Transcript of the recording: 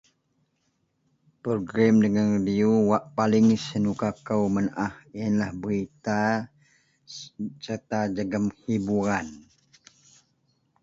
program dagen radiyou wak paling senuka kou menaah ienlah berita serta jegum hiburan